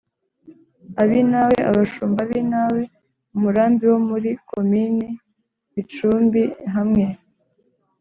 ab’i nawe: abashumba b’i nawe (umurambi wo muri komini bicumbi, hamwe